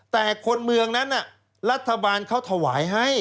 แต่คนเมืองนั้นรัฐบาลเขาถวายให้